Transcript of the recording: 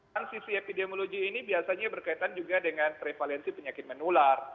transisi epidemiologi ini biasanya berkaitan juga dengan prevalensi penyakit menular